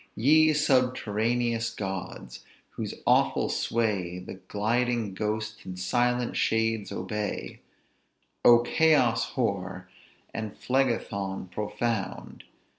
"Ye subterraneous gods! whose awful sway The gliding ghosts, and silent shades obey: O Chaos hoar! and Phlegethon profound!